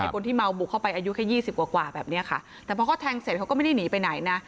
คนที่เมาบุกเข้าไปอายุแค่๒๐กว่าแบบเนี้ยค่ะแต่พอเขาแทงเสร็จเขาก็ไม่ได้หนีไปไหนนะ